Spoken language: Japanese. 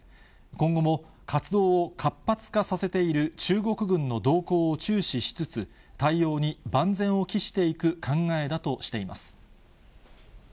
今後も活動を活発化させている中国軍の動向を注視しつつ、対応に万全を期していく考えだとしています。